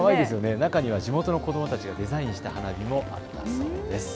中には地元の子どもたちがデザインした花火もあったそうです。